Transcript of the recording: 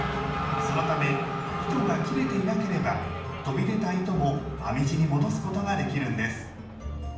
そのため糸が切れていなければ飛び出た糸も編み地に戻すことができるんです。